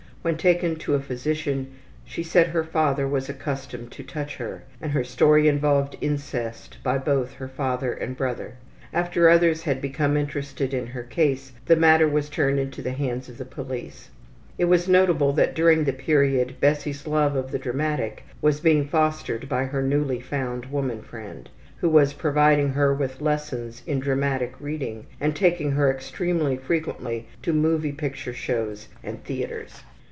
When taken to a physician, she said her father was accustomed to touch her, and her story involved incest by both her father and brother. After others had become interested in her case, the matter was turned into the hands of the police. It was notable that during this period Bessie's love of the dramatic was being fostered by her newly found woman friend, who was providing her with lessons in dramatic reading and taking her extremely frequently to moving picture shows and theatres.